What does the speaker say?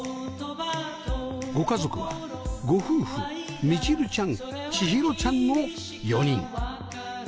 ご家族はご夫婦みちるちゃんちひろちゃんの４人